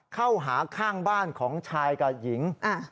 เข้าหาข้างบ้านของชายกับหญิง